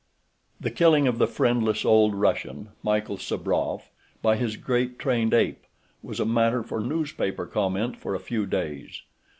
The killing of the friendless old Russian, Michael Sabrov, by his great trained ape, was a matter for newspaper comment for a few days.